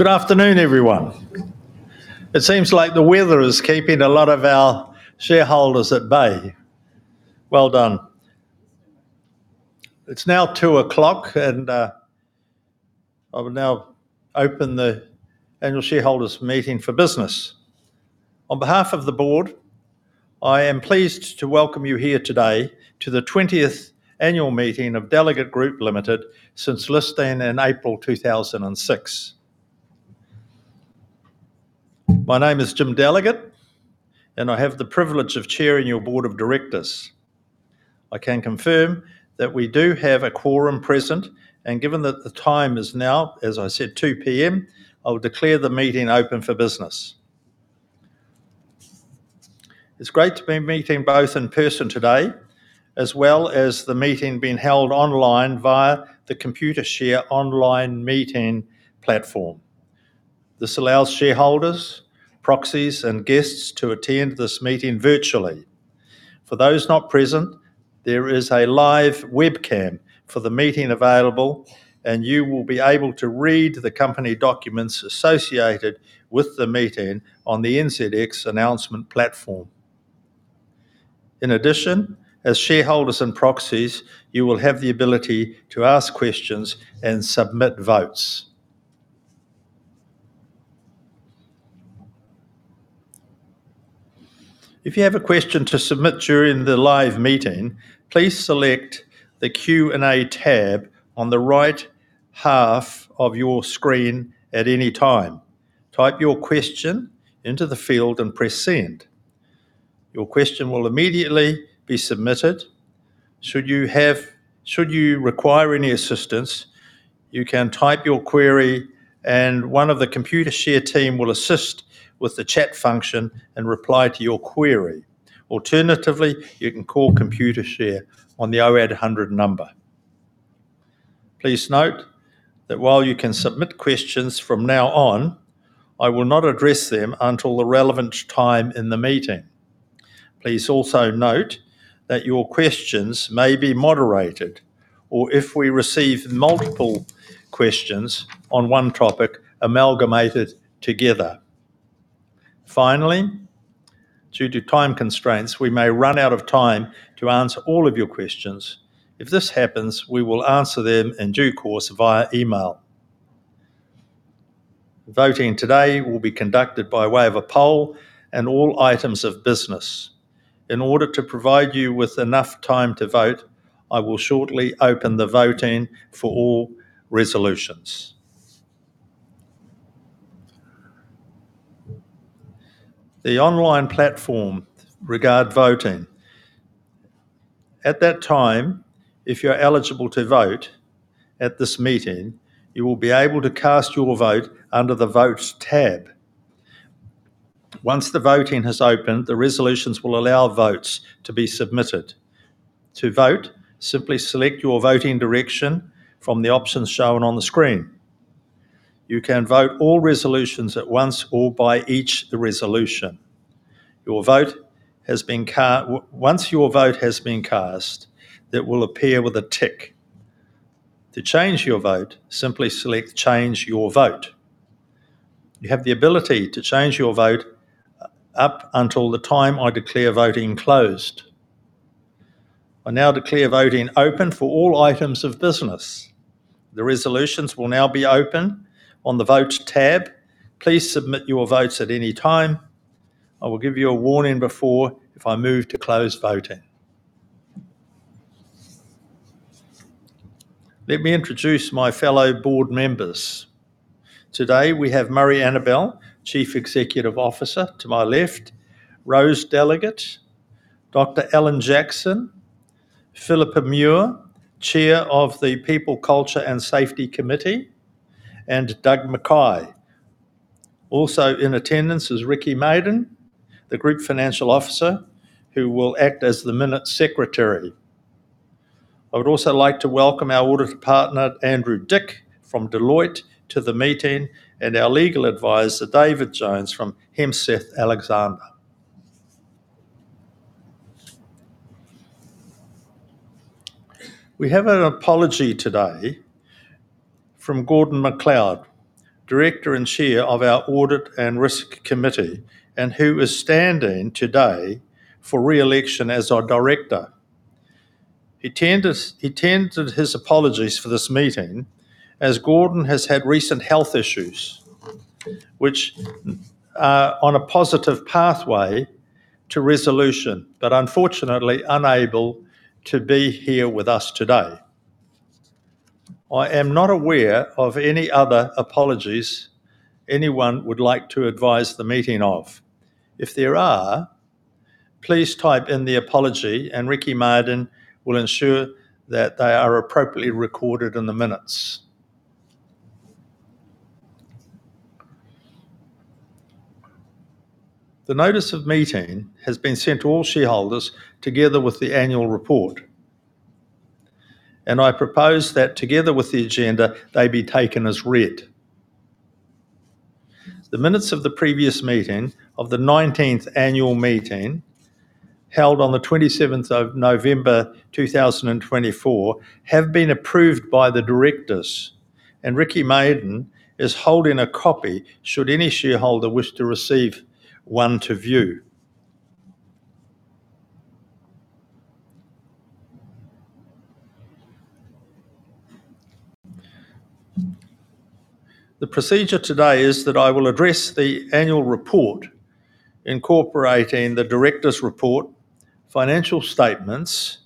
Good afternoon, everyone. It seems like the weather is keeping a lot of our shareholders at bay. Well done. It's now 2:00, and I will now open the annual shareholders' meeting for business. On behalf of the board, I am pleased to welcome you here today to the 20th Annual Meeting of Delegat Group Limited since listing in April 2006. My name is Jim Delegat, and I have the privilege of chairing your board of directors. I can confirm that we do have a quorum present, and given that the time is now, as I said, 2:00 P.M., I will declare the meeting open for business. It's great to be meeting both in person today, as well as the meeting being held online via the Computershare Online Meeting platform. This allows shareholders, proxies, and guests to attend this meeting virtually. For those not present, there is a live webcam for the meeting available, and you will be able to read the company documents associated with the meeting on the NZX Announcement Platform. In addition, as shareholders and proxies, you will have the ability to ask questions and submit votes. If you have a question to submit during the live meeting, please select the Q&A tab on the right half of your screen at any time. Type your question into the field and press send. Your question will immediately be submitted. Should you require any assistance, you can type your query, and one of the Computershare team will assist with the chat function and reply to your query. Alternatively, you can call Computershare on the 0800 number. Please note that while you can submit questions from now on, I will not address them until the relevant time in the meeting. Please also note that your questions may be moderated, or if we receive multiple questions on one topic, amalgamated together. Finally, due to time constraints, we may run out of time to answer all of your questions. If this happens, we will answer them in due course via email. Voting today will be conducted by way of a poll, and all items of business. In order to provide you with enough time to vote, I will shortly open the voting for all resolutions. The online platform regarding voting. At that time, if you're eligible to vote at this meeting, you will be able to cast your vote under the Votes tab. Once the voting has opened, the resolutions will allow votes to be submitted. To vote, simply select your voting direction from the options shown on the screen. You can vote all resolutions at once or by each resolution. Once your vote has been cast, it will appear with a tick. To change your vote, simply select change your vote. You have the ability to change your vote up until the time I declare voting closed. I now declare voting open for all items of business. The resolutions will now be open on the Votes tab. Please submit your votes at any time. I will give you a warning before if I move to close voting. Let me introduce my fellow board members. Today, we have Murray Annabell, Chief Executive Officer, to my left, Rose Delegat, Dr. Alan Jackson, Phillipa Muir, Chair of the People, Culture, and Safety Committee, and Doug McKay. Also in attendance is Riki Maden, the Group Financial Officer, who will act as the Minute Secretary. I would also like to welcome our Auditor Partner, Andrew Dick, from Deloitte, to the meeting, and our Legal Adviser, David Jones, from Heimsath Alexander. We have an apology today from Gordon MacLeod, Director and Chair of our Audit and Risk Committee, and who is standing today for re-election as our director. He tendered his apologies for this meeting as Gordon has had recent health issues, which are on a positive pathway to resolution, but unfortunately unable to be here with us today. I am not aware of any other apologies anyone would like to advise the meeting of. If there are, please type in the apology, and Riki Maden will ensure that they are appropriately recorded in the minutes. The notice of meeting has been sent to all shareholders together with the annual report, and I propose that together with the agenda, they be taken as read. The minutes of the previous meeting of the 19th Annual Meeting held on the 27th of November 2024 have been approved by the directors, and Riki Maden is holding a copy should any shareholder wish to receive one to view. The procedure today is that I will address the annual report incorporating the director's report, financial statements,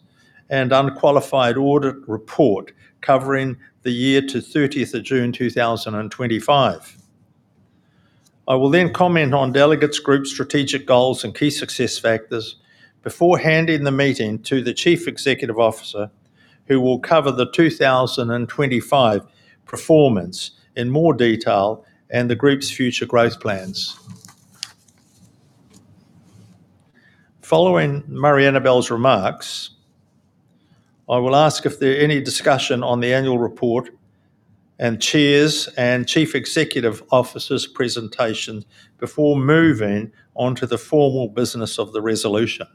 and unqualified audit report covering the year to 30th of June 2025. I will then comment on Delegat Group's strategic goals and key success factors before handing the meeting to the Chief Executive Officer, who will cover the 2025 performance in more detail and the group's future growth plans. Following Murray Annabell's remarks, I will ask if there is any discussion on the annual report and Chair's and Chief Executive Officer's presentations before moving on to the formal business of the resolution.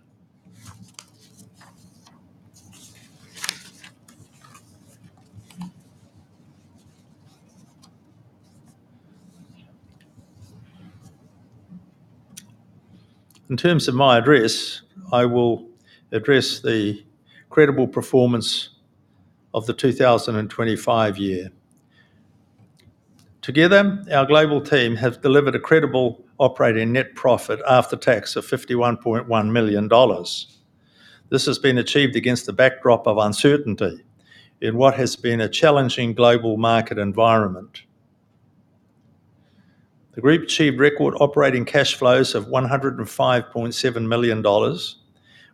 In terms of my address, I will address the credible performance of the 2025 year. Together, our global team has delivered a credible operating net profit after tax of 51.1 million dollars. This has been achieved against the backdrop of uncertainty in what has been a challenging global market environment. The group achieved record operating cash flows of 105.7 million dollars,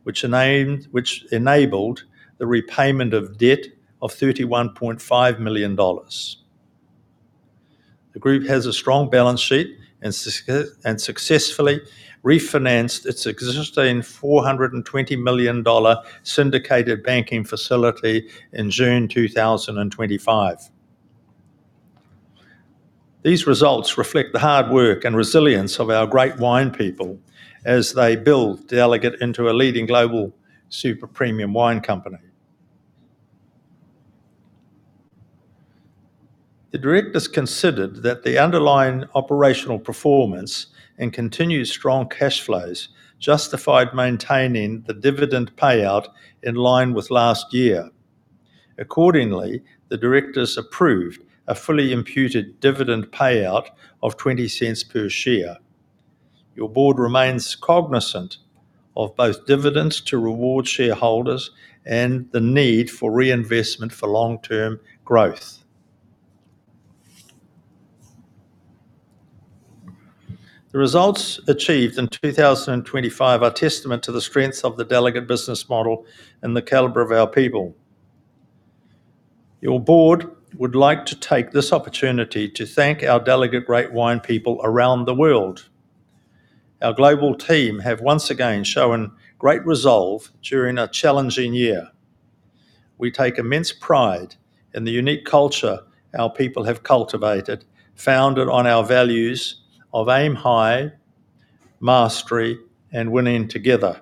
which enabled the repayment of debt of 31.5 million dollars. The group has a strong balance sheet and successfully refinanced its existing 420 million dollar syndicated banking facility in June 2025. These results reflect the hard work and resilience of our great wine people as they build Delegat into a leading global super premium wine company. The directors considered that the underlying operational performance and continued strong cash flows justified maintaining the dividend payout in line with last year. Accordingly, the directors approved a fully imputed dividend payout of 0.20 per share. Your board remains cognizant of both dividends to reward shareholders and the need for reinvestment for long-term growth. The results achieved in 2025 are testament to the strength of the Delegat business model and the caliber of our people. Your board would like to take this opportunity to thank our Delegat Great Wine People around the world. Our global team have once again shown great resolve during a challenging year. We take immense pride in the unique culture our people have cultivated, founded on our values of Aim High, Mastery, and Winning Together.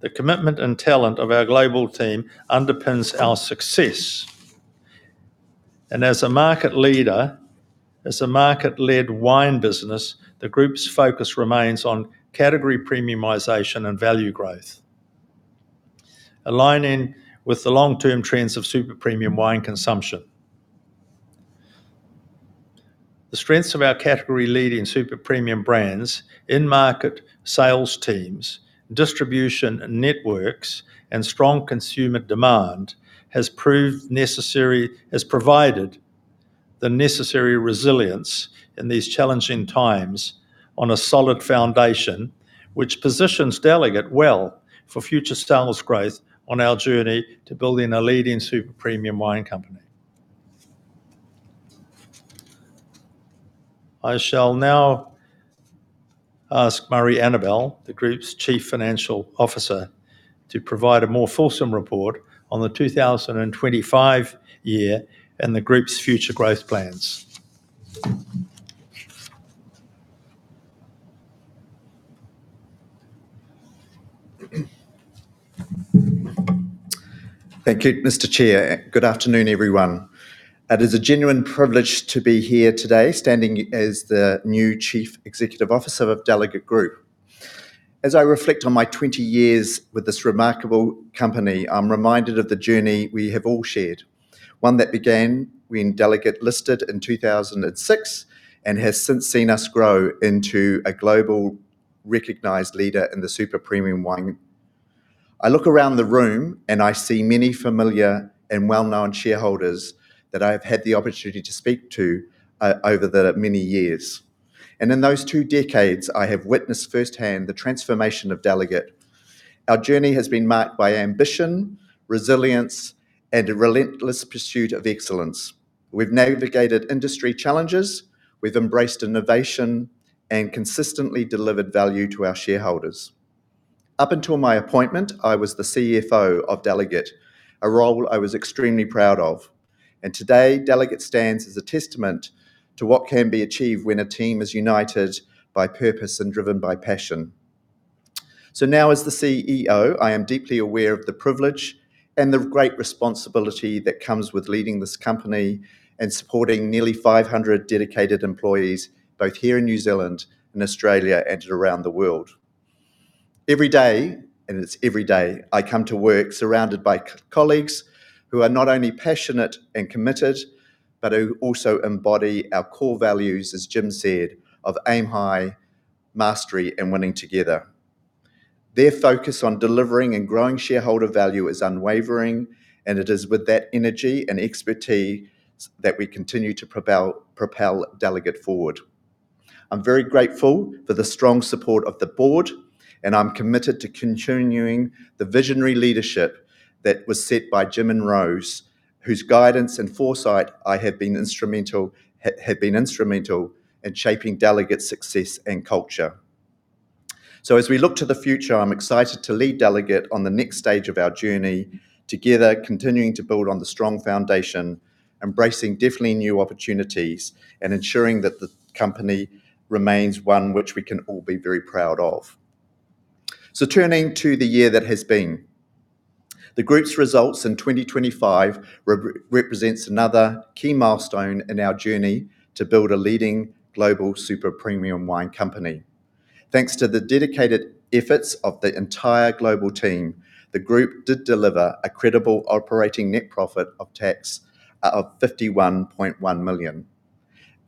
The commitment and talent of our global team underpins our success. As a market leader, as a market-led wine business, the group's focus remains on category premiumization and value growth, aligning with the long-term trends of super premium wine consumption. The strengths of our category-leading super premium brands, in-market sales teams, distribution networks, and strong consumer demand have provided the necessary resilience in these challenging times on a solid foundation, which positions Delegat well for future sales growth on our journey to building a leading super premium wine company. I shall now ask Murray Annabell, the group's Chief Financial Officer, to provide a more fulsome report on the 2025 year and the group's future growth plans. Thank you, Mr. Chair. Good afternoon, everyone. It is a genuine privilege to be here today standing as the new Chief Executive Officer of Delegat Group. As I reflect on my 20 years with this remarkable company, I'm reminded of the journey we have all shared, one that began when Delegat listed in 2006 and has since seen us grow into a global recognized leader in the super premium wine. I look around the room and I see many familiar and well-known shareholders that I have had the opportunity to speak to over the many years. And in those two decades, I have witnessed firsthand the transformation of Delegat. Our journey has been marked by ambition, resilience, and a relentless pursuit of excellence. We've navigated industry challenges, we've embraced innovation, and consistently delivered value to our shareholders. Up until my appointment, I was the CFO of Delegat, a role I was extremely proud of, and today, Delegat stands as a testament to what can be achieved when a team is united by purpose and driven by passion, so now, as the CEO, I am deeply aware of the privilege and the great responsibility that comes with leading this company and supporting nearly 500 dedicated employees, both here in New Zealand and Australia and around the world. Every day, and it's every day, I come to work surrounded by colleagues who are not only passionate and committed, but who also embody our core values, as Jim said, of aim high, mastery, and winning together. Their focus on delivering and growing shareholder value is unwavering, and it is with that energy and expertise that we continue to propel Delegat forward. I'm very grateful for the strong support of the board, and I'm committed to continuing the visionary leadership that was set by Jim and Rose, whose guidance and foresight have been instrumental in shaping Delegat's success and culture. So as we look to the future, I'm excited to lead Delegat on the next stage of our journey together, continuing to build on the strong foundation, embracing definitely new opportunities, and ensuring that the company remains one which we can all be very proud of. So turning to the year that has been, the group's results in 2025 represent another key milestone in our journey to build a leading global super premium wine company. Thanks to the dedicated efforts of the entire global team, the group did deliver a credible operating net profit after tax of 51.1 million.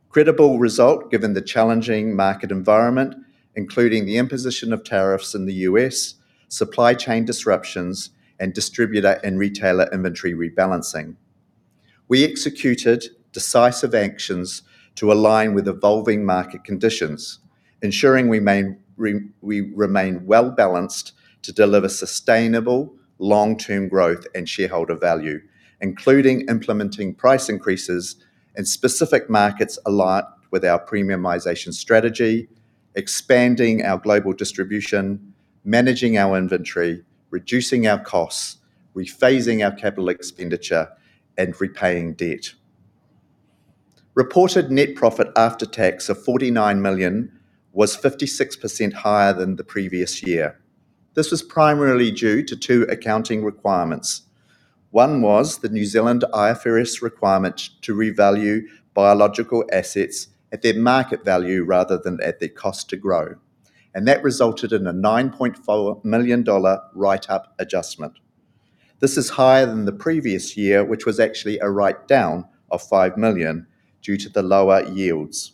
Credible result given the challenging market environment, including the imposition of tariffs in the U.S., supply chain disruptions, and distributor and retailer inventory rebalancing. We executed decisive actions to align with evolving market conditions, ensuring we remain well-balanced to deliver sustainable long-term growth and shareholder value, including implementing price increases in specific markets aligned with our premiumization strategy, expanding our global distribution, managing our inventory, reducing our costs, rephasing our capital expenditure, and repaying debt. Reported net profit after tax of $49 million was 56% higher than the previous year. This was primarily due to two accounting requirements. One was the New Zealand IFRS requirement to revalue biological assets at their market value rather than at their cost to grow, and that resulted in a $9.4 million write-up adjustment. This is higher than the previous year, which was actually a write-down of $5 million due to the lower yields.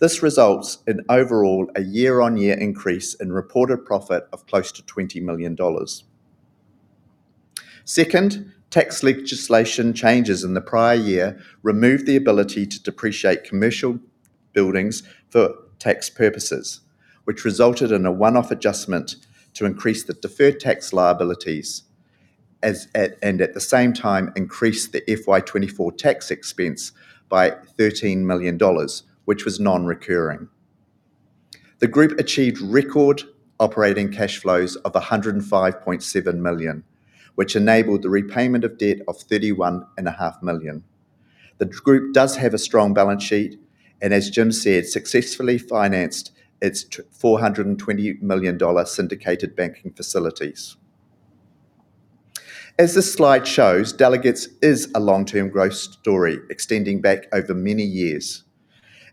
This results in overall a year-on-year increase in reported profit of close to 20 million dollars. Second, tax legislation changes in the prior year removed the ability to depreciate commercial buildings for tax purposes, which resulted in a one-off adjustment to increase the deferred tax liabilities and at the same time increased the FY 2024 tax expense by 13 million dollars, which was non-recurring. The group achieved record operating cash flows of 105.7 million, which enabled the repayment of debt of 31.5 million. The group does have a strong balance sheet and, as Jim said, successfully financed its 420 million dollar syndicated banking facilities. As this slide shows, Delegat is a long-term growth story extending back over many years.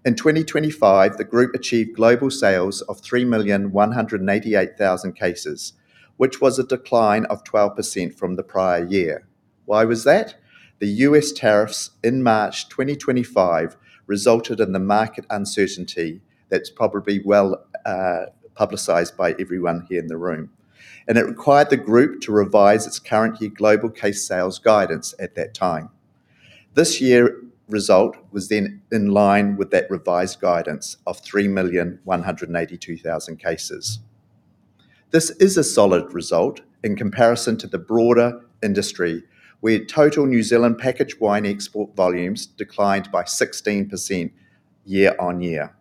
In 2025, the group achieved global sales of 3,188,000 cases, which was a decline of 12% from the prior year. Why was that? The U.S. tariffs in March 2025 resulted in the market uncertainty that's probably well publicized by everyone here in the room, and it required the group to revise its current year global case sales guidance at that time. This year's result was then in line with that revised guidance of 3,182,000 cases. This is a solid result in comparison to the broader industry, where total New Zealand packaged wine export volumes declined by 16% year-on-year.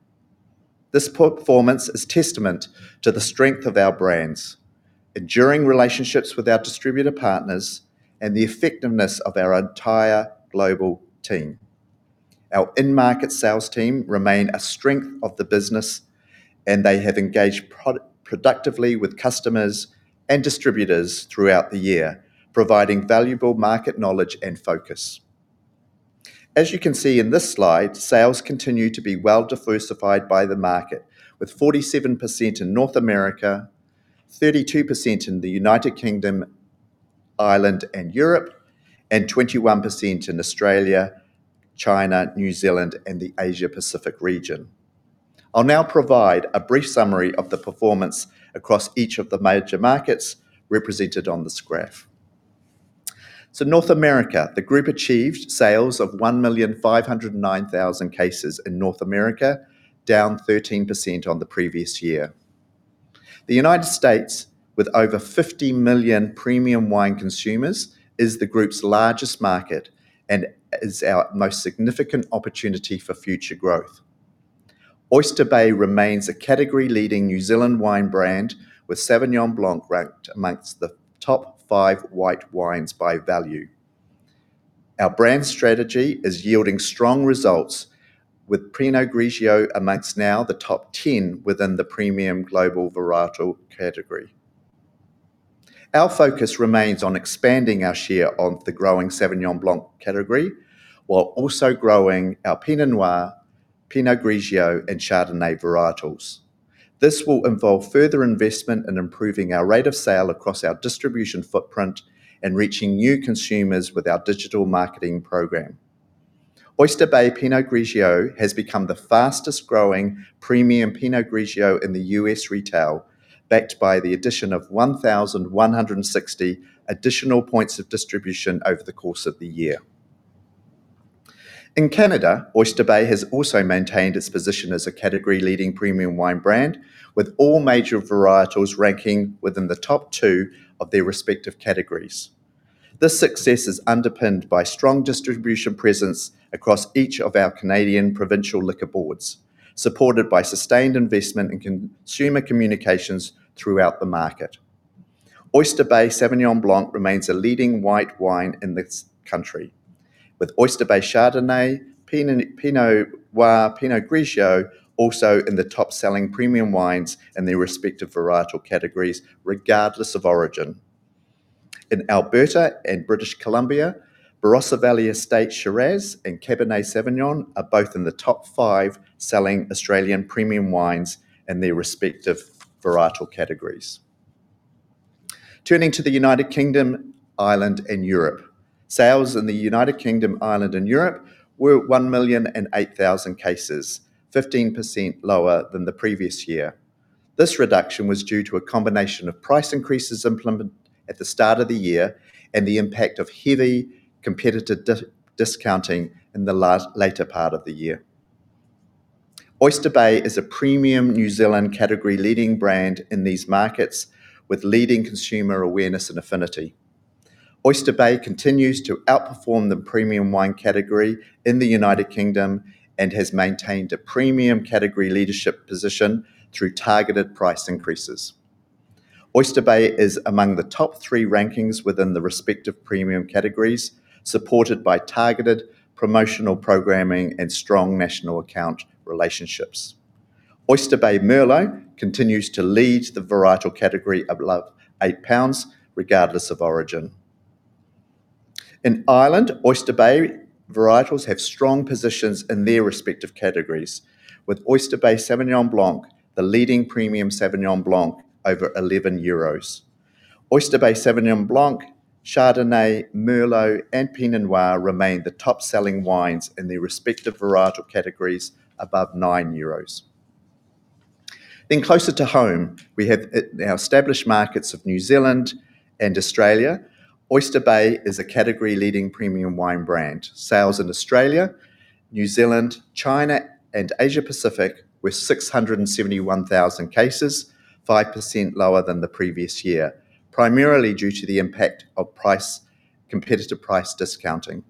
This performance is testament to the strength of our brands, enduring relationships with our distributor partners, and the effectiveness of our entire global team. Our in-market sales team remain a strength of the business, and they have engaged productively with customers and distributors throughout the year, providing valuable market knowledge and focus. As you can see in this slide, sales continue to be well-diversified by the market, with 47% in North America, 32% in the U.K., Ireland, and Europe, and 21% in Australia, China, New Zealand, and the Asia-Pacific region. I'll now provide a brief summary of the performance across each of the major markets represented on this graph. So North America, the group achieved sales of 1,509,000 cases in North America, down 13% on the previous year. The U.S., with over 50 million premium wine consumers, is the group's largest market and is our most significant opportunity for future growth. Oyster Bay remains a category-leading New Zealand wine brand, with Sauvignon Blanc ranked amongst the top five white wines by value. Our brand strategy is yielding strong results, with Pinot Grigio amongst now the top 10 within the premium global varietal category. Our focus remains on expanding our share of the growing Sauvignon Blanc category, while also growing our Pinot Noir, Pinot Grigio, and Chardonnay varietals. This will involve further investment in improving our rate of sale across our distribution footprint and reaching new consumers with our digital marketing program. Oyster Bay Pinot Grigio has become the fastest-growing premium Pinot Grigio in the U.S. retail, backed by the addition of 1,160 additional points of distribution over the course of the year. In Canada, Oyster Bay has also maintained its position as a category-leading premium wine brand, with all major varietals ranking within the top two of their respective categories. This success is underpinned by strong distribution presence across each of our Canadian provincial liquor boards, supported by sustained investment in consumer communications throughout the market. Oyster Bay Sauvignon Blanc remains a leading white wine in this country, with Oyster Bay Chardonnay, Pinot Noir, Pinot Grigio also in the top-selling premium wines in their respective varietal categories, regardless of origin. In Alberta and British Columbia, Barossa Valley Estate Shiraz and Cabernet Sauvignon are both in the top five selling Australian premium wines in their respective varietal categories. Turning to the U.K., Ireland, and Europe, sales in the U.K., Ireland, and Europe were 1,008,000 cases, 15% lower than the previous year. This reduction was due to a combination of price increases implemented at the start of the year and the impact of heavy competitive discounting in the later part of the year. Oyster Bay is a premium New Zealand category-leading brand in these markets, with leading consumer awareness and affinity. Oyster Bay continues to outperform the premium wine category in the U.K. and has maintained a premium category leadership position through targeted price increases. Oyster Bay is among the top three rankings within the respective premium categories, supported by targeted promotional programming and strong national account relationships. Oyster Bay Merlot continues to lead the varietal category above 8 pounds, regardless of origin. In Ireland, Oyster Bay varietals have strong positions in their respective categories, with Oyster Bay Sauvignon Blanc the leading premium Sauvignon Blanc over 11 euros. Oyster Bay Sauvignon Blanc, Chardonnay, Merlot, and Pinot Noir remain the top-selling wines in their respective varietal categories above 9 euros. Then closer to home, we have our established markets of New Zealand and Australia. Oyster Bay is a category-leading premium wine brand. Sales in Australia, New Zealand, China, and Asia-Pacific were 671,000 cases, 5% lower than the previous year, primarily due to the impact of competitive price discounting.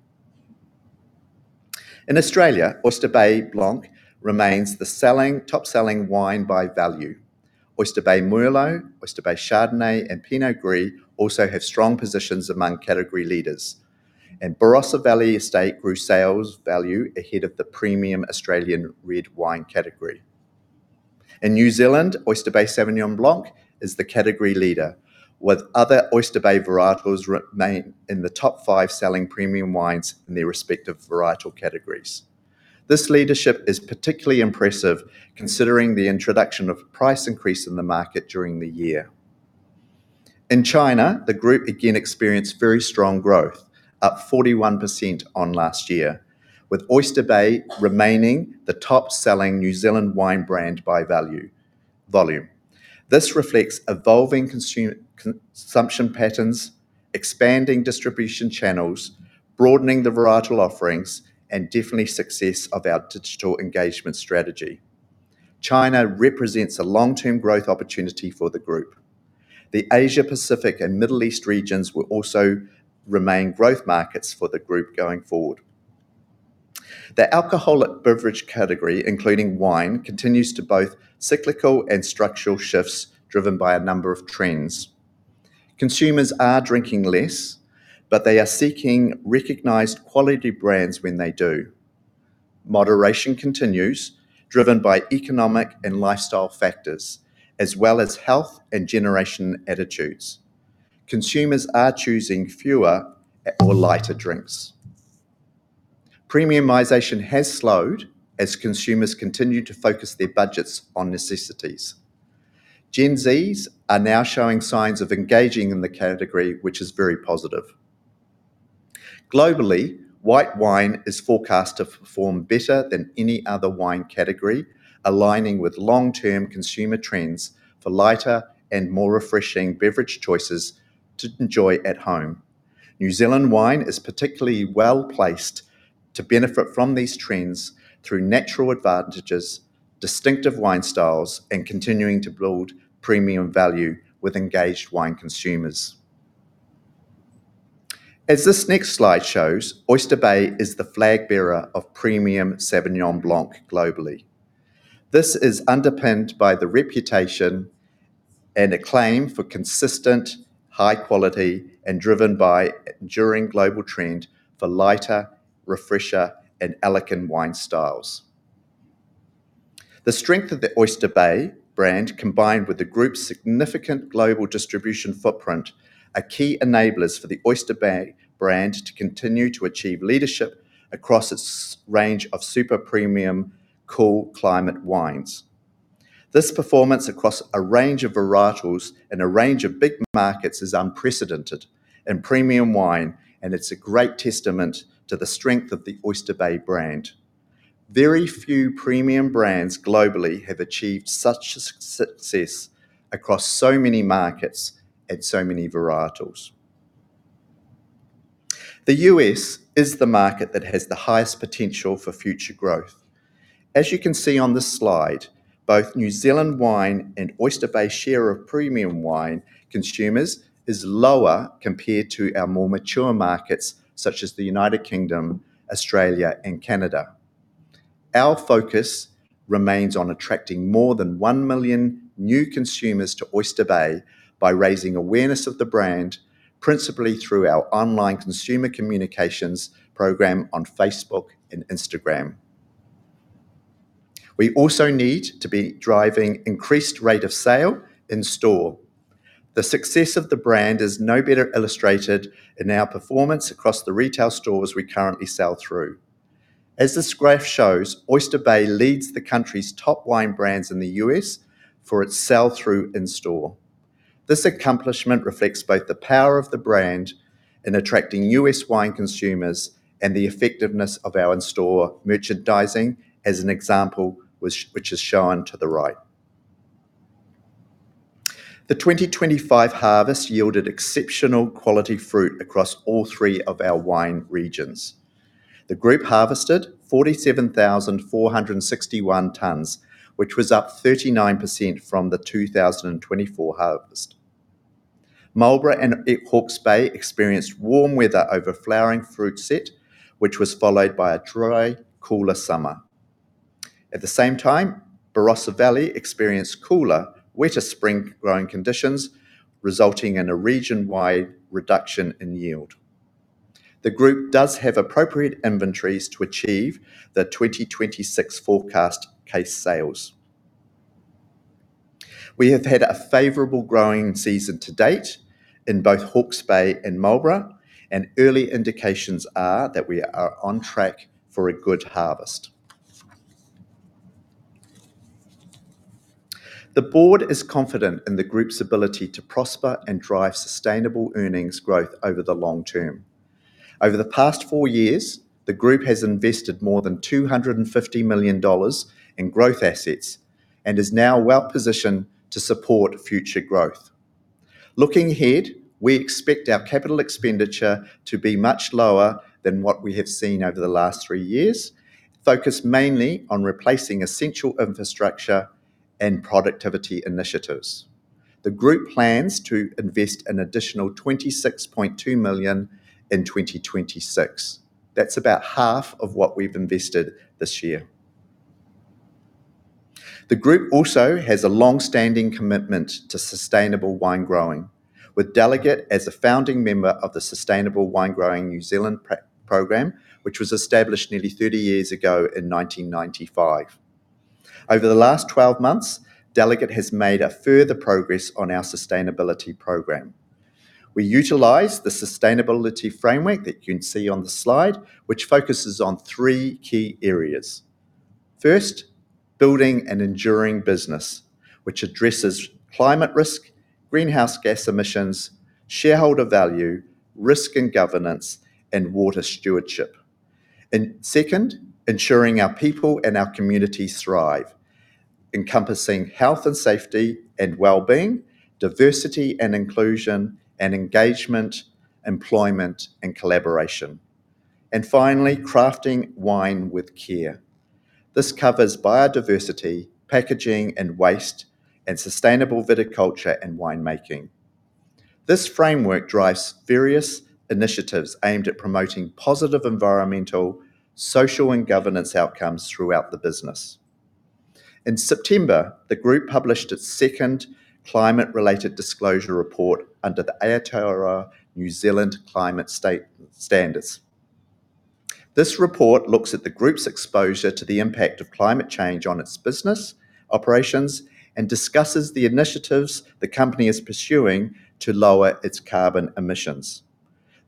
In Australia, Oyster Bay Sauvignon Blanc remains the top-selling wine by value. Oyster Bay Merlot, Oyster Bay Chardonnay, and Pinot Gris also have strong positions among category leaders. And Barossa Valley Estate grew sales value ahead of the premium Australian red wine category. In New Zealand, Oyster Bay Sauvignon Blanc is the category leader, with other Oyster Bay varietals remaining in the top five selling premium wines in their respective varietal categories. This leadership is particularly impressive, considering the introduction of price increases in the market during the year. In China, the group again experienced very strong growth, up 41% on last year, with Oyster Bay remaining the top-selling New Zealand wine brand by value. This reflects evolving consumption patterns, expanding distribution channels, broadening the varietal offerings, and definitely success of our digital engagement strategy. China represents a long-term growth opportunity for the group. The Asia-Pacific and Middle East regions will also remain growth markets for the group going forward. The alcoholic beverage category, including wine, continues to both cyclical and structural shifts driven by a number of trends. Consumers are drinking less, but they are seeking recognized quality brands when they do. Moderation continues, driven by economic and lifestyle factors, as well as health and generation attitudes. Consumers are choosing fewer or lighter drinks. Premiumization has slowed as consumers continue to focus their budgets on necessities. Gen Zs are now showing signs of engaging in the category, which is very positive. Globally, white wine is forecast to perform better than any other wine category, aligning with long-term consumer trends for lighter and more refreshing beverage choices to enjoy at home. New Zealand wine is particularly well-placed to benefit from these trends through natural advantages, distinctive wine styles, and continuing to build premium value with engaged wine consumers. As this next slide shows, Oyster Bay is the flag bearer of premium Sauvignon Blanc globally. This is underpinned by the reputation and acclaim for consistent, high quality, and driven by enduring global trend for lighter, refreshing, and elegant wine styles. The strength of the Oyster Bay brand, combined with the group's significant global distribution footprint, are key enablers for the Oyster Bay brand to continue to achieve leadership across its range of super premium cool climate wines. This performance across a range of varietals in a range of big markets is unprecedented in premium wine, and it's a great testament to the strength of the Oyster Bay brand. Very few premium brands globally have achieved such success across so many markets and so many varietals. The U.S. is the market that has the highest potential for future growth. As you can see on this slide, both New Zealand wine and Oyster Bay's share of premium wine consumers is lower compared to our more mature markets such as the U.K., Australia, and Canada. Our focus remains on attracting more than one million new consumers to Oyster Bay by raising awareness of the brand, principally through our online consumer communications program on Facebook and Instagram. We also need to be driving increased rate of sale in store. The success of the brand is no better illustrated in our performance across the retail stores we currently sell through. As this graph shows, Oyster Bay leads the country's top wine brands in the U.S. for its sell-through in store. This accomplishment reflects both the power of the brand in attracting U.S. wine consumers and the effectiveness of our in-store merchandising, as an example which is shown to the right. The 2025 harvest yielded exceptional quality fruit across all three of our wine regions. The group harvested 47,461 tons, which was up 39% from the 2024 harvest. Marlborough and Hawke's Bay experienced warm weather over flowering fruit set, which was followed by a dry, cooler summer. At the same time, Barossa Valley experienced cooler, wetter spring-growing conditions, resulting in a region-wide reduction in yield. The group does have appropriate inventories to achieve the 2026 forecast case sales. We have had a favorable growing season to date in both Hawke's Bay and Marlborough, and early indications are that we are on track for a good harvest. The Board is confident in the Group's ability to prosper and drive sustainable earnings growth over the long term. Over the past four years, the Group has invested more than 250 million dollars in growth assets and is now well-positioned to support future growth. Looking ahead, we expect our capital expenditure to be much lower than what we have seen over the last three years, focused mainly on replacing essential infrastructure and productivity initiatives. The Group plans to invest an additional 26.2 million in 2026. That's about half of what we've invested this year. The group also has a long-standing commitment to Sustainable Winegrowing, with Delegat as a founding member of the Sustainable Winegrowing New Zealand program, which was established nearly 30 years ago in 1995. Over the last 12 months, Delegat has made further progress on our sustainability program. We utilize the sustainability framework that you can see on the slide, which focuses on three key areas. First, building an enduring business, which addresses climate risk, greenhouse gas emissions, shareholder value, risk and governance, and water stewardship. And second, ensuring our people and our community thrive, encompassing health and safety and well-being, diversity and inclusion, and engagement, employment, and collaboration. And finally, crafting wine with care. This covers biodiversity, packaging, and waste, and sustainable viticulture and winemaking. This framework drives various initiatives aimed at promoting positive environmental, social, and governance outcomes throughout the business. In September, the group published its second climate-related disclosure report under the Aotearoa New Zealand Climate Standards. This report looks at the group's exposure to the impact of climate change on its business operations and discusses the initiatives the company is pursuing to lower its carbon emissions.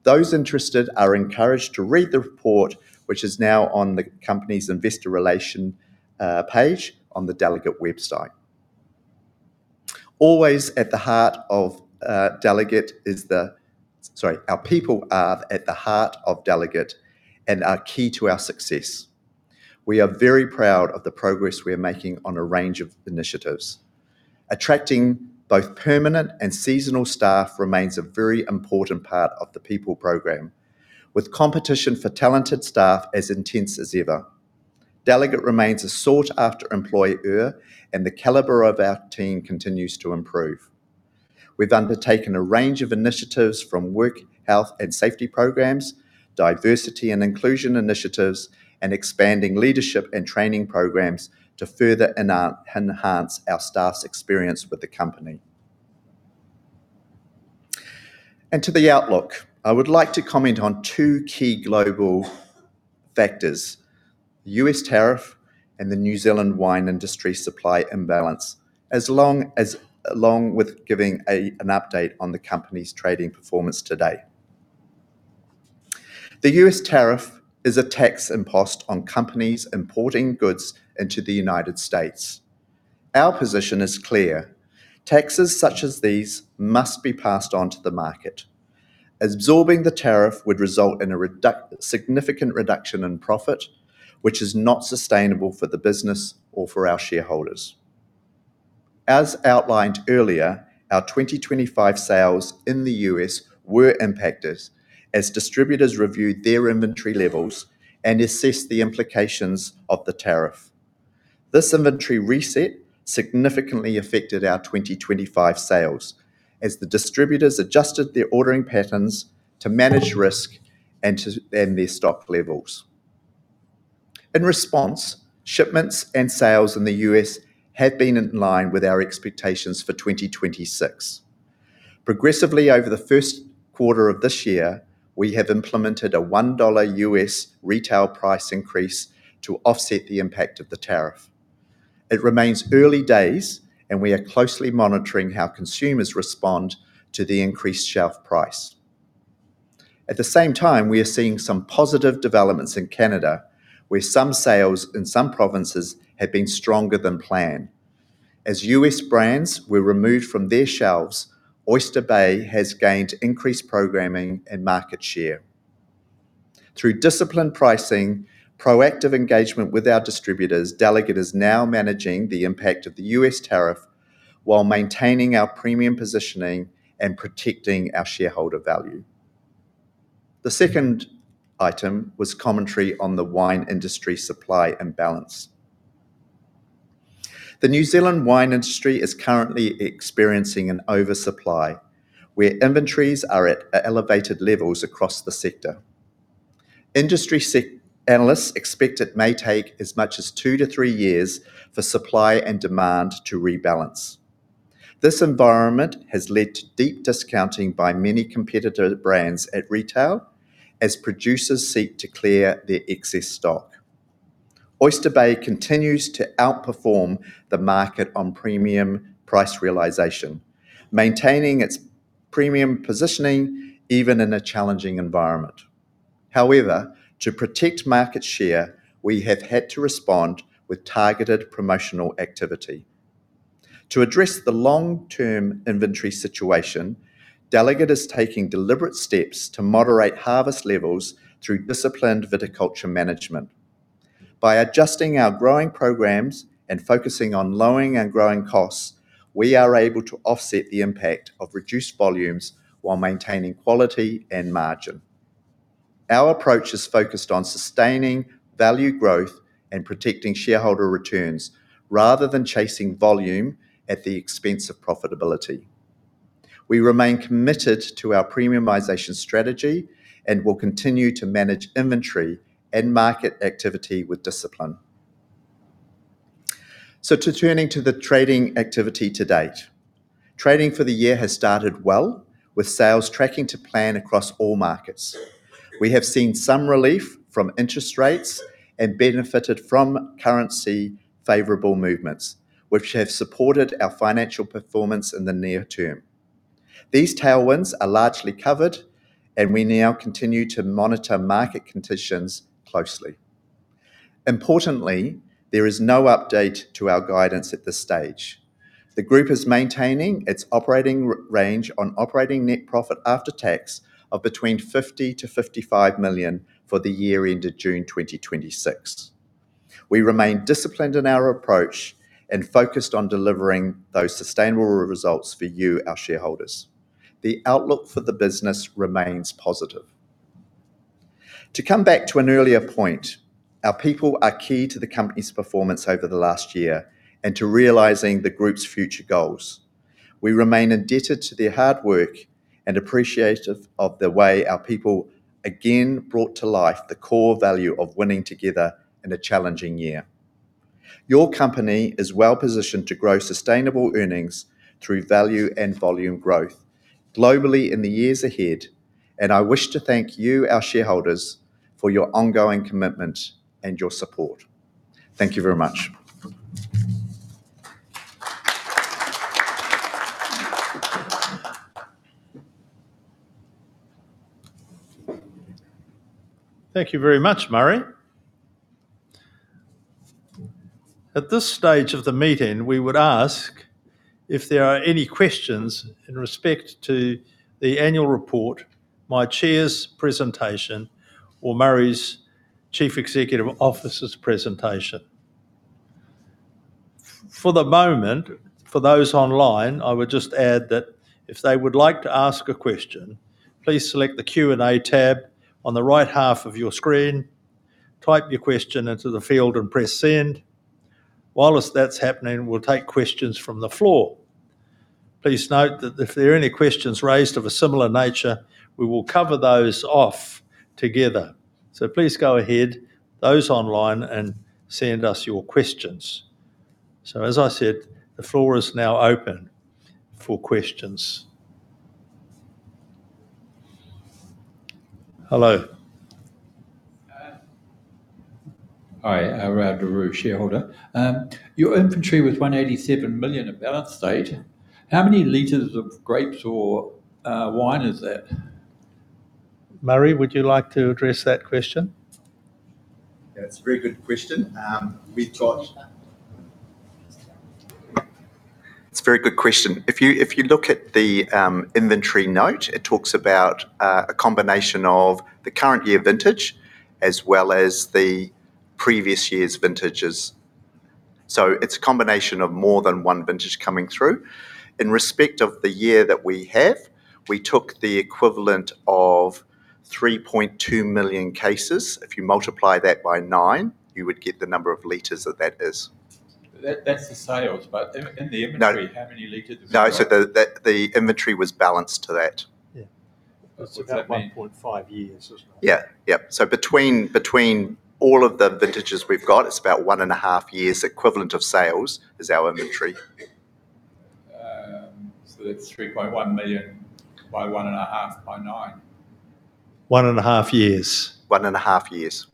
Those interested are encouraged to read the report, which is now on the company's investor relation page on the Delegat website. Always at the heart of Delegat is the, sorry, our people are at the heart of Delegat and are key to our success. We are very proud of the progress we are making on a range of initiatives. Attracting both permanent and seasonal staff remains a very important part of the people program, with competition for talented staff as intense as ever. Delegat remains a sought-after employer and the caliber of our team continues to improve. We've undertaken a range of initiatives from work, health, and safety programs, diversity and inclusion initiatives, and expanding leadership and training programs to further enhance our staff's experience with the company, and to the outlook, I would like to comment on two key global factors: the U.S. tariff and the New Zealand wine industry supply imbalance, along with giving an update on the company's trading performance today. The U.S. tariff is a tax imposed on companies importing goods into the U.S. Our position is clear. Taxes such as these must be passed on to the market. Absorbing the tariff would result in a significant reduction in profit, which is not sustainable for the business or for our shareholders. As outlined earlier, our 2025 sales in the U.S. were impacted as distributors reviewed their inventory levels and assessed the implications of the tariff. This inventory reset significantly affected our 2025 sales as the distributors adjusted their ordering patterns to manage risk and their stock levels. In response, shipments and sales in the U.S. have been in line with our expectations for 2026. Progressively, over the first quarter of this year, we have implemented a $1 U.S. retail price increase to offset the impact of the tariff. It remains early days, and we are closely monitoring how consumers respond to the increased shelf price. At the same time, we are seeing some positive developments in Canada, where some sales in some provinces have been stronger than planned. As U.S. brands were removed from their shelves, Oyster Bay has gained increased programming and market share. Through disciplined pricing, proactive engagement with our distributors, Delegat is now managing the impact of the U.S. tariff while maintaining our premium positioning and protecting our shareholder value. The second item was commentary on the wine industry supply imbalance. The New Zealand wine industry is currently experiencing an oversupply, where inventories are at elevated levels across the sector. Industry analysts expect it may take as much as two-to-three years for supply and demand to rebalance. This environment has led to deep discounting by many competitor brands at retail as producers seek to clear their excess stock. Oyster Bay continues to outperform the market on premium price realization, maintaining its premium positioning even in a challenging environment. However, to protect market share, we have had to respond with targeted promotional activity. To address the long-term inventory situation, Delegat is taking deliberate steps to moderate harvest levels through disciplined viticulture management. By adjusting our growing programs and focusing on lowering and growing costs, we are able to offset the impact of reduced volumes while maintaining quality and margin. Our approach is focused on sustaining value growth and protecting shareholder returns rather than chasing volume at the expense of profitability. We remain committed to our premiumization strategy and will continue to manage inventory and market activity with discipline. So turning to the trading activity to date, trading for the year has started well, with sales tracking to plan across all markets. We have seen some relief from interest rates and benefited from currency-favorable movements, which have supported our financial performance in the near term. These tailwinds are largely covered, and we now continue to monitor market conditions closely. Importantly, there is no update to our guidance at this stage. The group is maintaining its operating range on operating net profit after tax of between 50 million-55 million for the year ended June 2026. We remain disciplined in our approach and focused on delivering those sustainable results for you, our shareholders. The outlook for the business remains positive. To come back to an earlier point, our people are key to the company's performance over the last year and to realizing the group's future goals. We remain indebted to their hard work and appreciative of the way our people again brought to life the core value of winning together in a challenging year. Your company is well-positioned to grow sustainable earnings through value and volume growth globally in the years ahead, and I wish to thank you, our shareholders, for your ongoing commitment and your support. Thank you very much. Thank you very much, Murray. At this stage of the meeting, we would ask if there are any questions in respect to the annual report, my Chair's presentation, or Murray's Chief Executive Officer's presentation. For the moment, for those online, I would just add that if they would like to ask a question, please select the Q&A tab on the right half of your screen, type your question into the field, and press send. While that's happening, we'll take questions from the floor. Please note that if there are any questions raised of a similar nature, we will cover those off together. So please go ahead, those online, and send us your questions. So as I said, the floor is now open for questions. Hello. Hi, I'm Rob De La Rue, Shareholder. Your inventory was 187 million in balance sheet. How many liters of grapes or wine is that? Murray, would you like to address that question? Yeah, it's a very good question. We thought it's a very good question. If you look at the inventory note, it talks about a combination of the current year vintage as well as the previous year's vintages, so it's a combination of more than one vintage coming through. In respect of the year that we have, we took the equivalent of 3.2 million cases. If you multiply that by nine, you would get the number of liters that that is. That's the sales, but in the inventory, how many liters? No, so the inventory was balanced to that. Yeah. It's about 1.5 years, isn't it? Yeah. Yeah. So between all of the vintages we've got, it's about one and a half years equivalent of sales is our inventory. So that's 3.1 million by one and a half by nine. One and a half years. One and a half years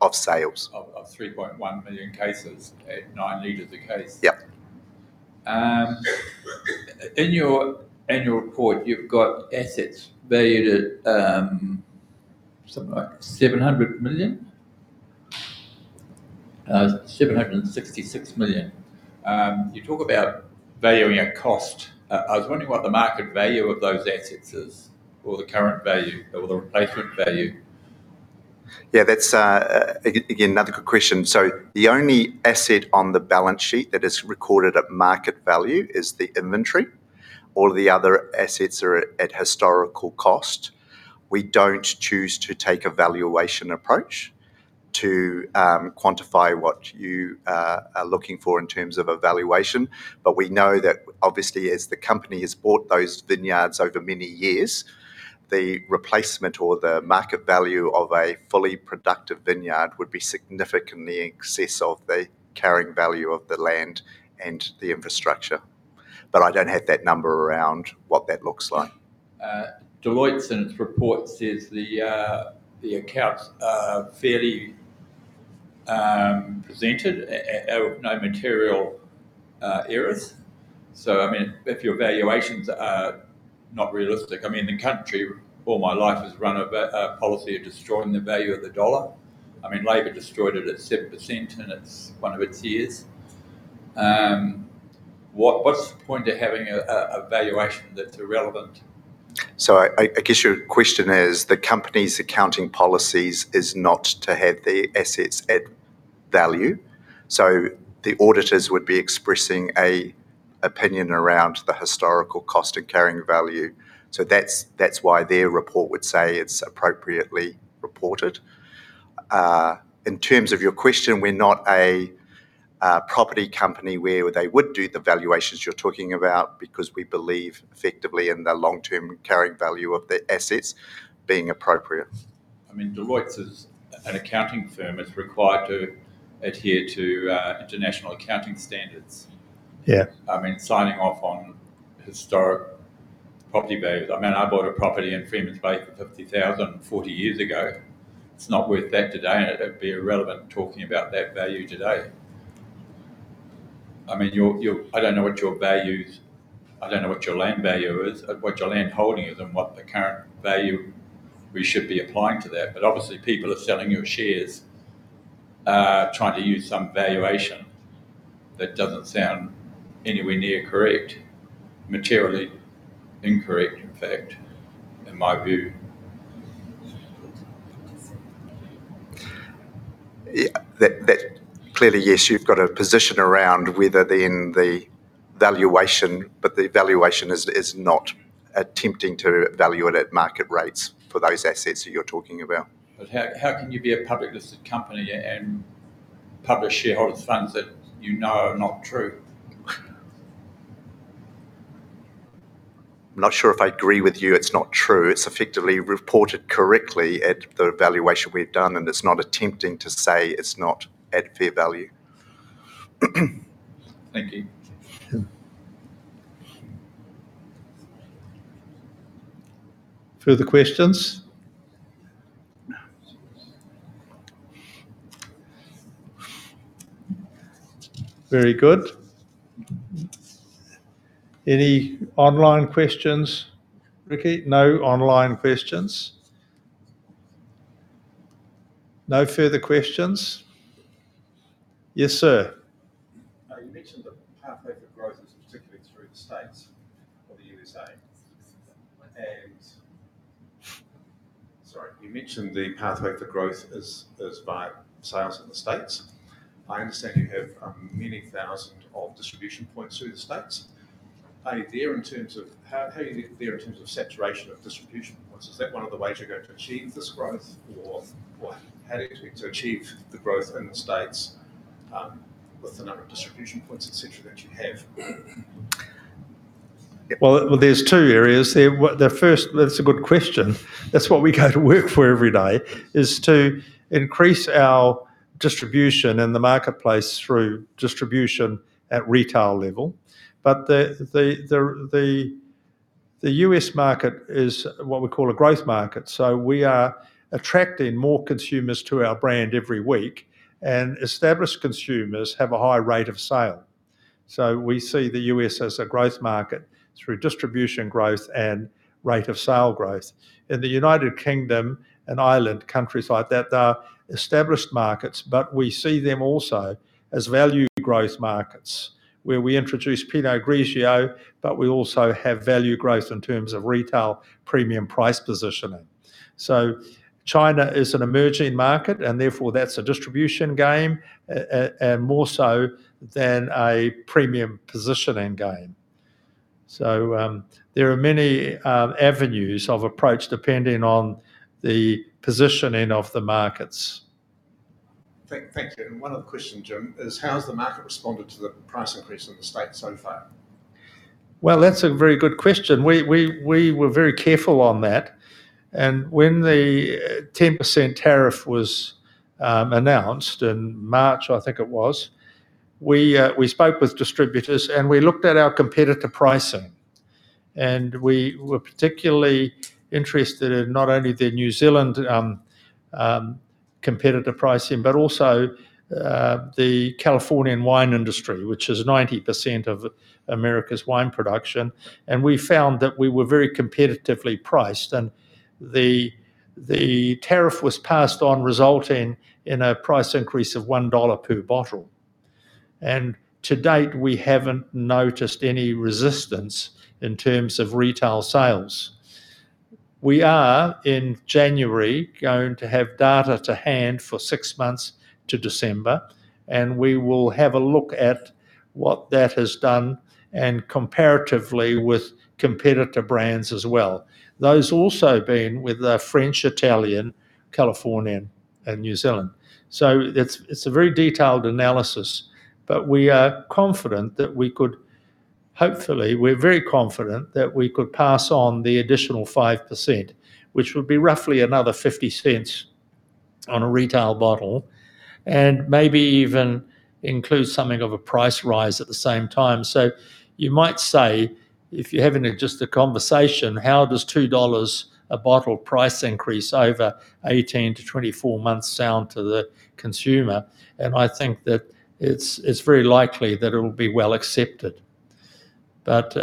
of sales. Of 3.1 million cases at nine liters a case. Yep. In your report, you've got assets valued at something like 700 million, 766 million. You talk about valuing at cost. I was wondering what the market value of those assets is, or the current value, or the replacement value. Yeah, that's, again, another good question. So the only asset on the balance sheet that is recorded at market value is the inventory. All the other assets are at historical cost. We don't choose to take a valuation approach to quantify what you are looking for in terms of a valuation. But we know that, obviously, as the company has bought those vineyards over many years, the replacement or the market value of a fully productive vineyard would be significantly in excess of the carrying value of the land and the infrastructure. But I don't have that number around what that looks like. Deloitte's report says the accounts are fairly presented, no material errors. So, I mean, if your valuations are not realistic, I mean, the country, all my life, has run a policy of destroying the value of the dollar. I mean, Labour destroyed it at 7% in one of its years. What's the point of having a valuation that's irrelevant? So I guess your question is the company's accounting policies is not to have the assets at value. So the auditors would be expressing an opinion around the historical cost and carrying value. So that's why their report would say it's appropriately reported. In terms of your question, we're not a property company where they would do the valuations you're talking about because we believe effectively in the long-term carrying value of the assets being appropriate. I mean, Deloitte's an accounting firm that's required to adhere to International Accounting Standards. Yeah. I mean, signing off on historic property values. I mean, I bought a property in Freemans Bay for 50,000 40 years ago. It's not worth that today, and it'd be irrelevant talking about that value today. I mean, I don't know what your value is, I don't know what your land value is, what your land holding is, and what the current value we should be applying to that. But obviously, people are selling your shares, trying to use some valuation that doesn't sound anywhere near correct, materially incorrect, in fact, in my view. Clearly, yes, you've got a position around whether then the valuation, but the valuation is not attempting to value it at market rates for those assets that you're talking about. But how can you be a public-listed company and publish shareholders' funds that you know are not true? I'm not sure if I agree with you. It's not true. It's effectively reported correctly at the valuation we've done, and it's not attempting to say it's not at fair value. Thank you. Further questions? Very good. Any online questions, Riki? No online questions. No further questions. Yes, sir. And sorry, you mentioned the pathway for growth is via sales through the States. I understand you have many thousands of distribution points through the States. Are you there in terms of how are you there in terms of saturation of distribution points? Is that one of the ways you're going to achieve this growth, or how do you expect to achieve the growth in the States with the number of distribution points, etc., that you have? Well, there's two areas there. The first, that's a good question. That's what we go to work for every day, is to increase our distribution in the marketplace through distribution at retail level. But the U.S. market is what we call a growth market. So we are attracting more consumers to our brand every week, and established consumers have a high rate of sale. So we see the U.S. as a growth market through distribution growth and rate of sale growth. In the U.K. and Ireland, countries like that, they're established markets, but we see them also as value growth markets, where we introduce Pinot Grigio, but we also have value growth in terms of retail premium price positioning. So China is an emerging market, and therefore that's a distribution game more so than a premium positioning game. So there are many avenues of approach depending on the positioning of the markets. Thank you. One other question, Jim, is how has the market responded to the price increase in the States so far? Well, that's a very good question. We were very careful on that. And when the 10% tariff was announced in March, I think it was, we spoke with distributors, and we looked at our competitor pricing. And we were particularly interested in not only the New Zealand competitor pricing, but also the Californian wine industry, which is 90% of America's wine production. And we found that we were very competitively priced, and the tariff was passed on, resulting in a price increase of $1 per bottle. And to date, we haven't noticed any resistance in terms of retail sales. We are, in January, going to have data to hand for six months to December, and we will have a look at what that has done and comparatively with competitor brands as well. Those also being with the French, Italian, Californian, and New Zealand. So it's a very detailed analysis, but we are confident that we could hopefully, we're very confident that we could pass on the additional 5%, which would be roughly another $0.50 on a retail bottle, and maybe even include something of a price rise at the same time. So you might say, if you're having just a conversation, how does $2 a bottle price increase over 18 months-24 months sound to the consumer? And I think that it's very likely that it will be well accepted. But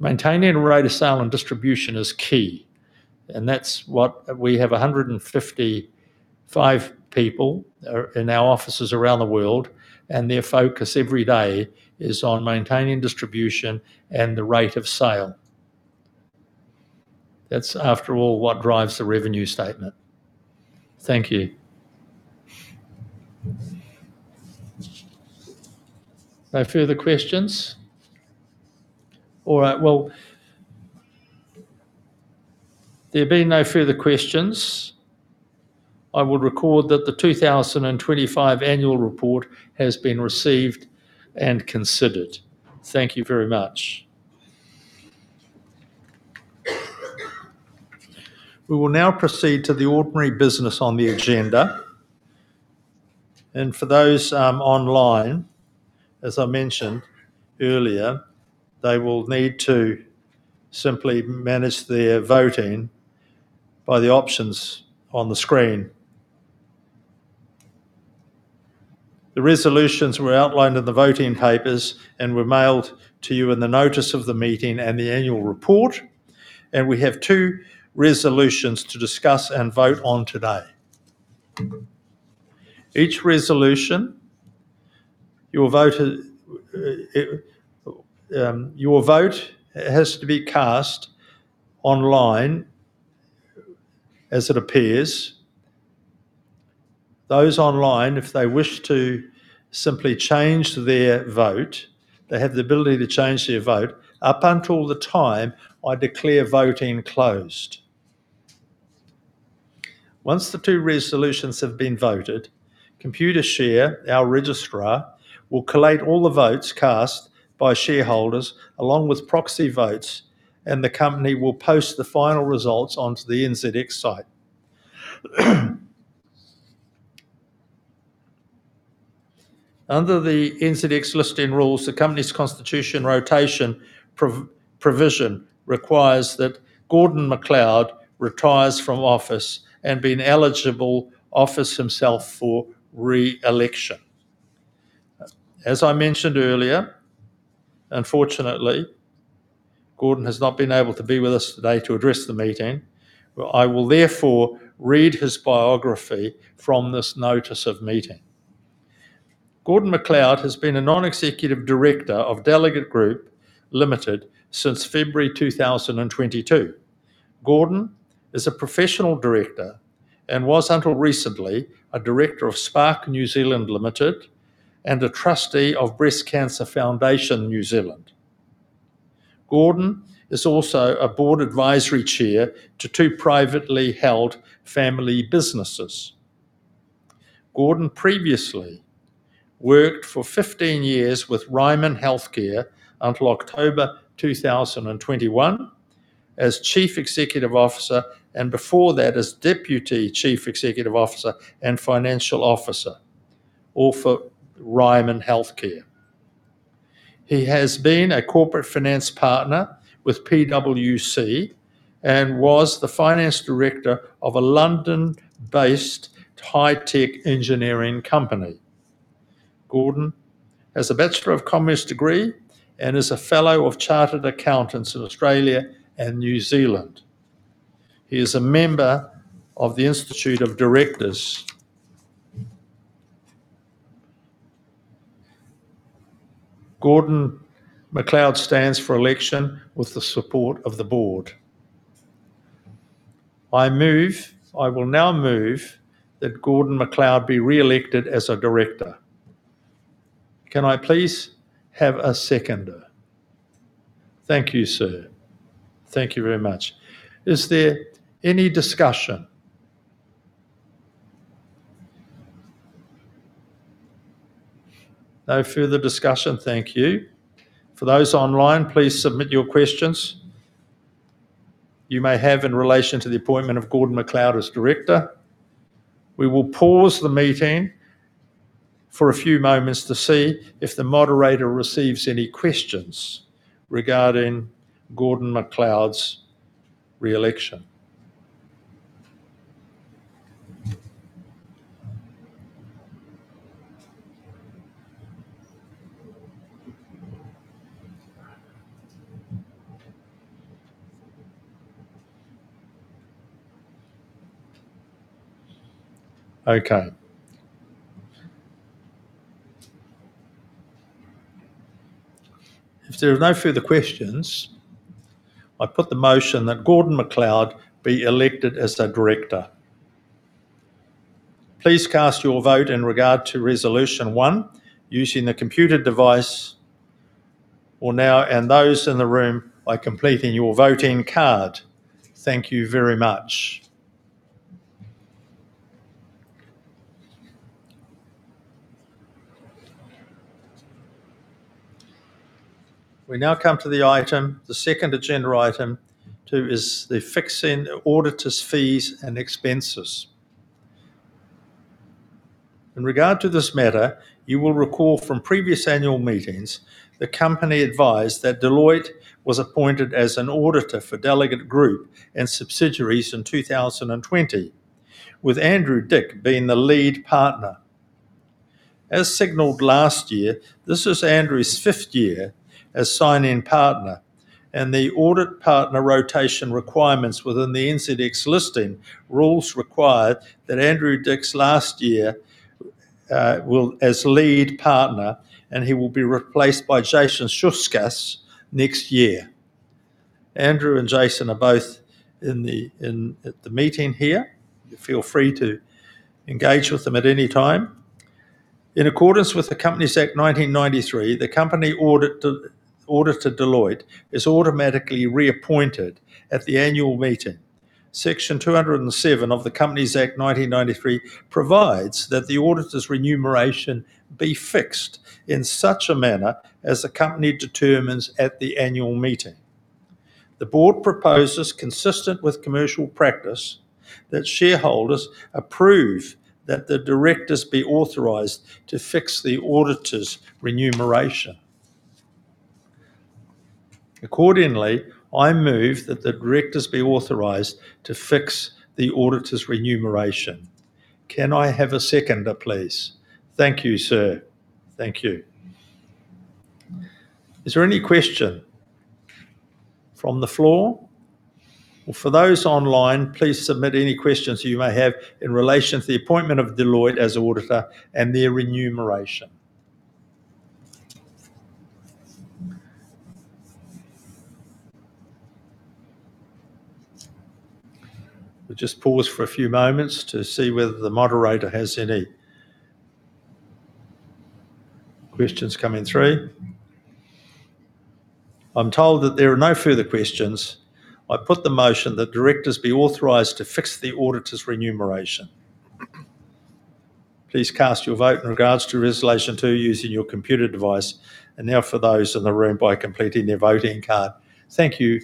maintaining a rate of sale and distribution is key. And that's what we have 155 people in our offices around the world, and their focus every day is on maintaining distribution and the rate of sale. That's, after all, what drives the revenue statement. Thank you. No further questions? All right. Well, there being no further questions, I will record that the 2025 annual report has been received and considered. Thank you very much. We will now proceed to the ordinary business on the agenda. And for those online, as I mentioned earlier, they will need to simply manage their voting by the options on the screen. The resolutions were outlined in the voting papers and were mailed to you in the notice of the meeting and the annual report. And we have two resolutions to discuss and vote on today. Each resolution, your vote has to be cast online as it appears. Those online, if they wish to simply change their vote, they have the ability to change their vote up until the time I declare voting closed. Once the two resolutions have been voted, Computershare, our registrar, will collate all the votes cast by shareholders along with proxy votes, and the company will post the final results onto the NZX site. Under the NZX listing rules, the company's constitution rotation provision requires that Gordon MacLeod retires from office and be an eligible office himself for re-election. As I mentioned earlier, unfortunately, Gordon has not been able to be with us today to address the meeting. I will therefore read his biography from this notice of meeting. Gordon MacLeod has been a Non-Executive Director of Delegat Group Limited since February 2022. Gordon is a professional director and was until recently a director of Spark New Zealand Limited and a Trustee of Breast Cancer Foundation New Zealand. Gordon is also a board advisory chair to two privately held family businesses. Gordon previously worked for 15 years with Ryman Healthcare until October 2021 as Chief Executive Officer and before that as Deputy Chief Executive Officer and Financial Officer, all for Ryman Healthcare. He has been a Corporate Finance Partner with PwC and was the Finance Director of a London-based high-tech engineering company. Gordon has a Bachelor of Commerce degree and is a fellow of Chartered Accountants in Australia and New Zealand. He is a member of the Institute of Directors. Gordon MacLeod stands for election with the support of the board. I will now move that Gordon MacLeod be re-elected as a Director. Can I please have a seconder? Thank you, sir. Thank you very much. Is there any discussion? No further discussion. Thank you. For those online, please submit your questions you may have in relation to the appointment of Gordon MacLeod as Director. We will pause the meeting for a few moments to see if the moderator receives any questions regarding Gordon MacLeod's re-election. Okay. If there are no further questions, I put the motion that Gordon MacLeod be elected as a Director. Please cast your vote in regard to resolution one using the computer device now, and those in the room by completing your voting card. Thank you very much. We now come to the item, the second agenda item, two is the fixing of the auditor's fees and expenses. In regard to this matter, you will recall from previous annual meetings the company advised that Deloitte was appointed as an auditor for Delegat Group and subsidiaries in 2020, with Andrew Dick being the Lead Partner. As signaled last year, this is Andrew's fifth year as signing partner, and the audit partner rotation requirements within the NZX listing rules required that Andrew Dick's last year will as lead partner, and he will be replaced by Jason Schischka next year. Andrew and Jason are both at the meeting here. Feel free to engage with them at any time. In accordance with the Companies Act 1993, the company auditor, Deloitte, is automatically reappointed at the annual meeting. Section 207 of the Companies Act 1993 provides that the auditor's remuneration be fixed in such a manner as the company determines at the annual meeting. The Board proposes, consistent with commercial practice, that shareholders approve that the directors be authorized to fix the auditor's remuneration. Accordingly, I move that the directors be authorized to fix the auditor's remuneration. Can I have a seconder, please? Thank you, sir. Thank you. Is there any question from the floor? Well, for those online, please submit any questions you may have in relation to the appointment of Deloitte as Auditor and their remuneration. We'll just pause for a few moments to see whether the moderator has any questions coming through. I'm told that there are no further questions. I put the motion that directors be authorized to fix the auditor's remuneration. Please cast your vote in regards to resolution two using your computer device. And now for those in the room by completing their voting card. Thank you.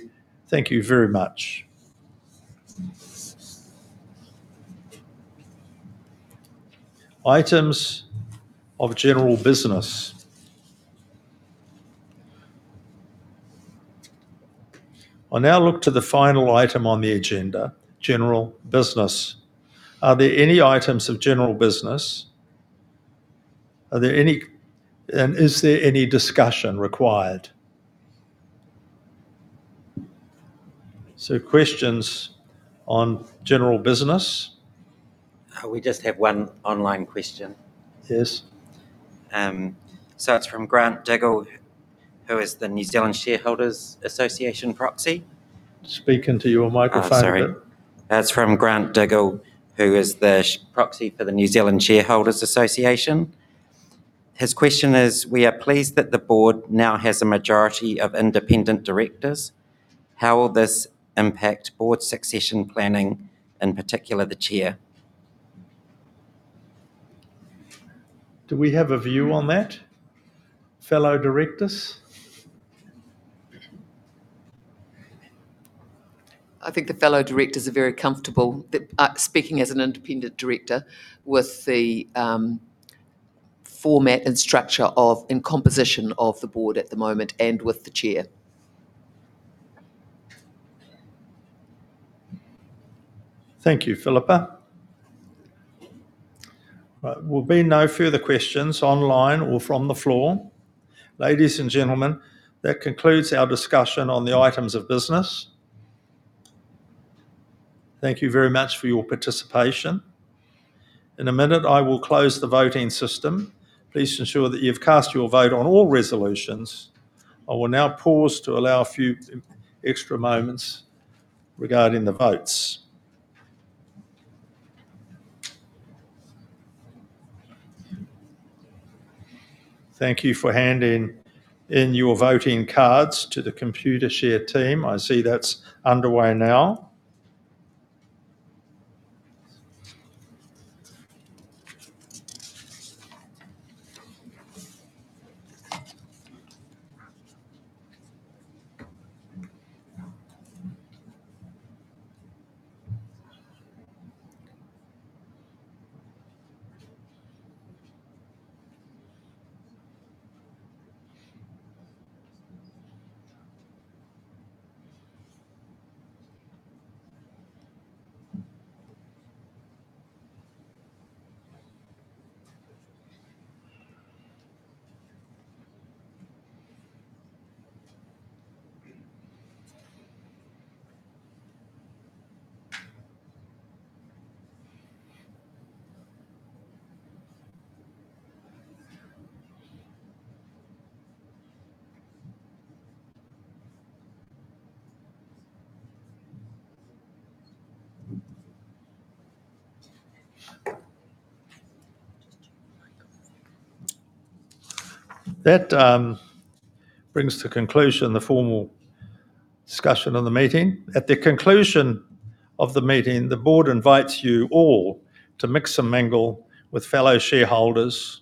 Thank you very much. Items of general business. I now look to the final item on the agenda, general business. Are there any items of general business? Are there any? And is there any discussion required? So questions on general business? We just have one online question. Yes. So it's from Grant Diggle, who is the New Zealand Shareholders Association proxy. Speaking to your microphone. Sorry. That's from Grant Diggle, who is the proxy for the New Zealand Shareholders Association. His question is, "We are pleased that the board now has a majority of independent directors. How will this impact board succession planning, in particular the chair?" Do we have a view on that, fellow directors? I think the fellow directors are very comfortable speaking as an independent director with the format and structure of and composition of the board at the moment and with the chair. Thank you, Phillipa. All right. will be no further questions online or from the floor. Ladies and gentlemen, that concludes our discussion on the items of business. Thank you very much for your participation. In a minute, I will close the voting system. Please ensure that you've cast your vote on all resolutions. I will now pause to allow a few extra moments regarding the votes. Thank you for handing in your voting cards to the Computershare team. I see that's underway now. That brings to conclusion the formal discussion of the meeting. At the conclusion of the meeting, the board invites you all to mix and mingle with fellow shareholders,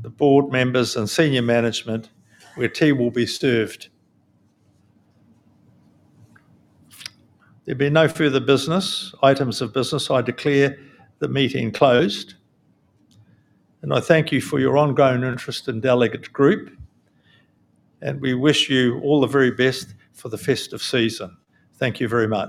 the board members, and senior management, where tea will be served. There being no further items of business, I declare the meeting closed. I thank you for your ongoing interest in Delegat Group. We wish you all the very best for the festive season. Thank you very much.